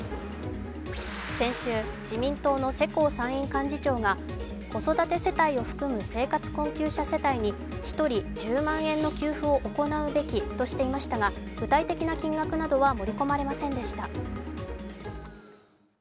先週、自民党の世耕参院幹事長が子育て世帯を含む生活困窮者世帯に１人１０万円の給付を行うべきとしていましたが、具体的な金額などは盛り込まれませんでした。